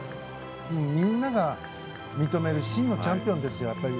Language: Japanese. みんなが認める真のチャンピオンですよ。